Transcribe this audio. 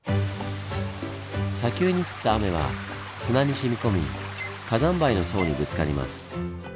砂丘に降った雨は砂にしみこみ火山灰の層にぶつかります。